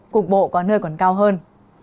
cục bộ có nơi còn cao hơn